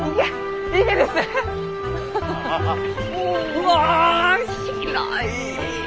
うわ広い。